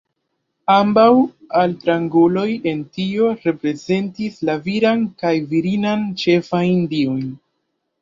Ambaŭ altranguloj en tio reprezentis la viran kaj virinan ĉefajn diojn.